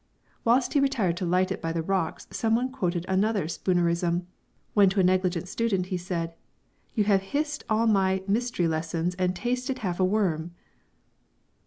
Whilst he retired to light it by the rocks someone quoted another Spoonerism when to a negligent student he said: "You have hissed all my mystery lessons and tasted half a worm!"